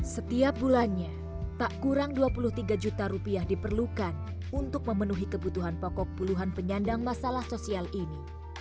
setiap bulannya tak kurang dua puluh tiga juta rupiah diperlukan untuk memenuhi kebutuhan pokok puluhan penyandang masalah sosial ini